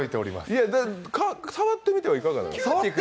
いや触ってみていかがですか？